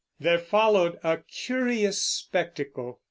There followed a curious spectacle.